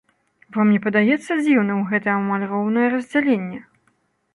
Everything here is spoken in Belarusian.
Вам на падаецца дзіўным гэта амаль роўнае раздзяленне?